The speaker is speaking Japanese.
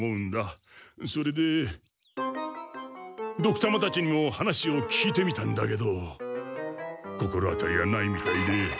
それでドクたまたちにも話を聞いてみたんだけど心当たりがないみたいで。